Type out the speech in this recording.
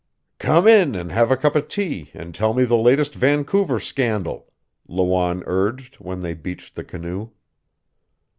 "Come in and have a cup of tea and tell me the latest Vancouver scandal," Lawanne urged, when they beached the canoe.